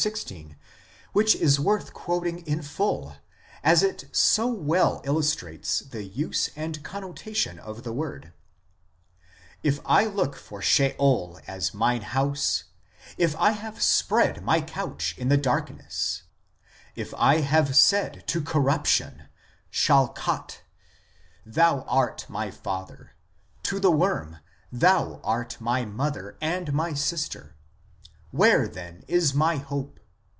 13 16, which is worth quoting in full as it so well illustrates the use and connotation of the word :" If I look for Sheol as mine house ; if I have spread my couch in the darkness ; if I have said to corruption (Shachath), 2 thou art my father ; to the worm, thou art my mother, and my sister ; where then is my hope